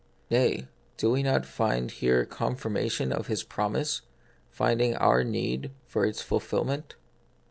Nay, do we not find here confirmation of His promise, finding our need for its fulfil ment